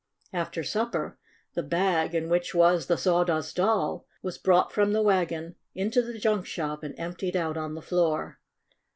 After supper the bag, in which was the Sawdust Doll, was brought from the wag on into the junk shop, and emptied out on the floor.